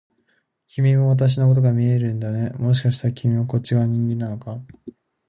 君も私のことが見えるんだね、もしかして君もこっち側の人間なのか？